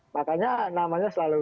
makanya namanya selalu